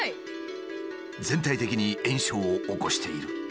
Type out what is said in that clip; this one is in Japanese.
全体的に炎症を起こしている。